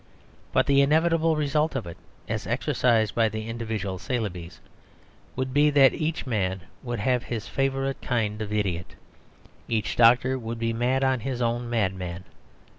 But the inevitable result of it, as exercised by the individual Saleebys, would be that each man would have his favourite kind of idiot. Each doctor would be mad on his own madman.